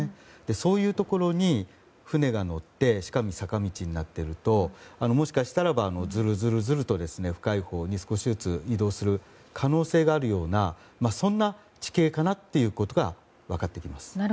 そういうところに、船が乗ってしかも坂道になっているともしかたら、ずるずると深いほうに少しずつ移動する可能性があるようなそんな地形かなということが分かってきます。